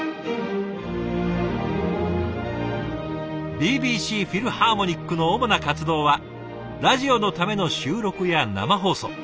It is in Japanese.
ＢＢＣフィルハーモニックの主な活動はラジオのための収録や生放送。